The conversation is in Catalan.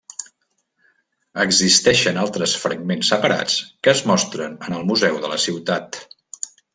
Existeixen altres fragments separats que es mostren en el museu de la ciutat.